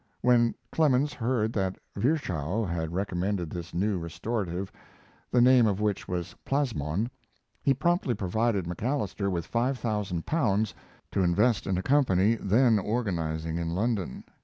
When Clemens heard that Virchow had recommended this new restorative, the name of which was plasmon, he promptly provided MacAlister with five thousand pounds to invest in a company then organizing in London.